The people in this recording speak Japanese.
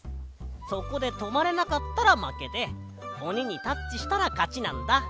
そこでとまれなかったらまけでおににタッチしたらかちなんだ。